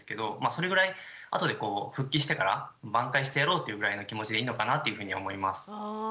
それぐらい後で復帰してから挽回してやろうというぐらいの気持ちでいいのかなっていうふうに思います。